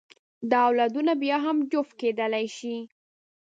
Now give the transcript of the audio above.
دا اولادونه بیا هم جفت کېدلی شي.